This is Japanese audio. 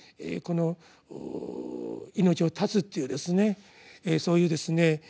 この命を絶つというそういうですね